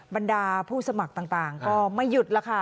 บรรดาผู้สมัครต่างก็ไม่หยุดแล้วค่ะ